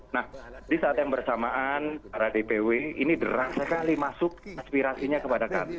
nah di saat yang bersamaan para dpw ini deras sekali masuk aspirasinya kepada kami